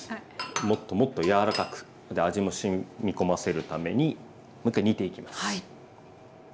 もっともっと柔らかく味もしみこませるためにもう一回煮ていきます。